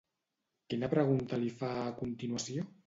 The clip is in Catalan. Quina pregunta li fa a continuació?